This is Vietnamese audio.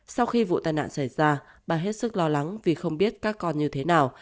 sau khi vụ tai nạn xảy ra bà hết sức lo lắng vì không biết các con như thế nào